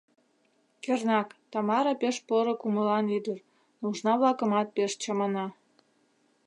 Кернак, Тамара пеш поро кумылан ӱдыр, нужна-влакымат пеш чамана.